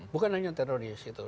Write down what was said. bukan hanya teroris gitu